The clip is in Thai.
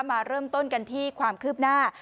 มาเริ่มต้นกันที่ความคืบหน้า